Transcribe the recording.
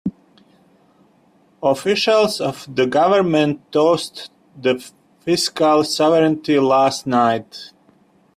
Officials of the government toasted the fiscal sovereignty last night.